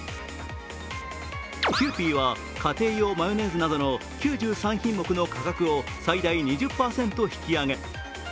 キユーピーは家庭用マヨネーズなどの９３品目の価格を最大２０％引き上げ。